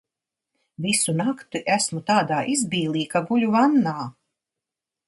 Visu nakti esmu tādā izbīlī, ka guļu vannā.